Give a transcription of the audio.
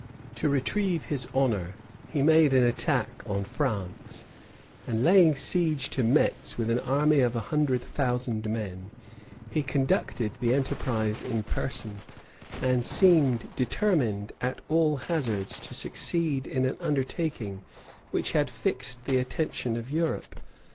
To retrieve his honor, he made an attack on France; and laying siege to Metz with an army of a hundred thousand men, he conducted the enterprise in person, and seemed determined, at all hazards, to succeed in an undertaking which had fixed the attention of Europe.